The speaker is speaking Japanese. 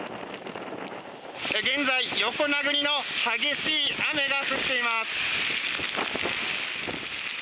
現在、横殴りの激しい雨が降っています。